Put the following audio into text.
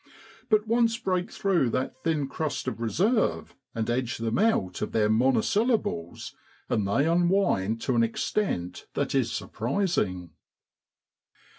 But once break through that thin crust of reserve, and edge them out of their monosyllables, and they unwind to an extent that is surprising.